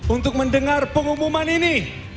untuk mendengar pengumuman ini